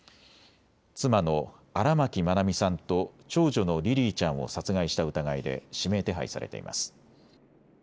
妻の荒牧愛美さんと長女のリリィちゃんを殺害した疑いで指名手配されています。